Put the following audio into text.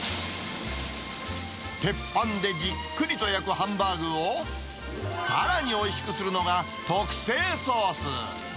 鉄板でじっくりと焼くハンバーグを、さらにおいしくするのが、特製ソース。